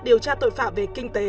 điều tra tội phạm về kinh tế